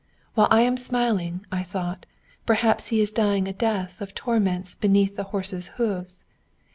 While I am smiling, I thought, perhaps he is dying a death of torments beneath the horses' hoofs.